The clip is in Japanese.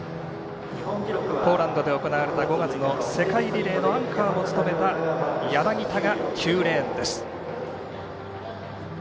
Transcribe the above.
ポーランドで行われた５月の世界リレーのアンカーも務めた柳田が９レーンです。